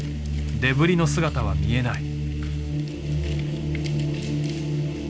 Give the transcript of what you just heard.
デブリの姿は見えない。